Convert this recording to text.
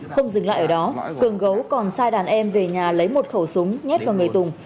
không dừng lại ở đó cường gấu còn sai đàn em về nhà lấy một khẩu súng nhát vào người tùng